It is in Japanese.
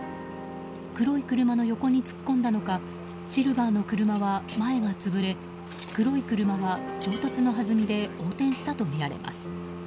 黒い車の横に突っ込んだのかシルバーの車は前が潰れ黒い車は衝突のはずみで横転したとみられます。